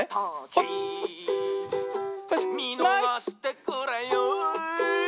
「みのがしてくれよぉ」